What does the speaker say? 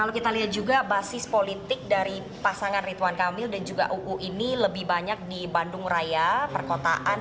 kalau kita lihat juga basis politik dari pasangan ridwan kamil dan juga uu ini lebih banyak di bandung raya perkotaan